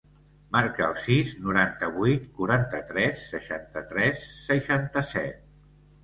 Marca el sis, noranta-vuit, quaranta-tres, seixanta-tres, seixanta-set.